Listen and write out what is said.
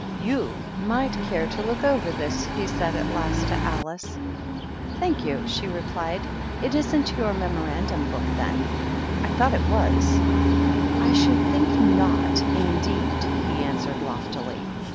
" You might care to look over this," he said, at last, to Alice. "Thank you," she replied. "It isn't your Memorandum Book, then? I thought it was." " I should think Twt^ indeed !" he answered, loftily.